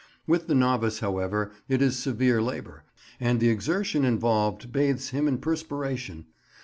With the novice, however, it is severe labour, and the exertion involved bathes him in perspiration.